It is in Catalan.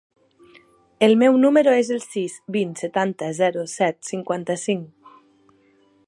El meu número es el sis, vint, setanta, zero, set, cinquanta-cinc.